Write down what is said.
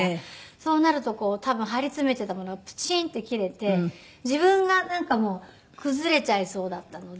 そうなると多分張り詰めてたものがプチンって切れて自分がなんかもう崩れちゃいそうだったので。